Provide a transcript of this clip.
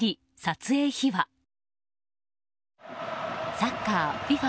サッカーＦＩＦＡ